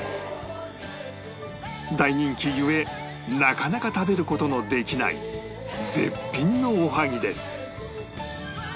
大人気故なかなか食べる事のできない絶品のおはぎです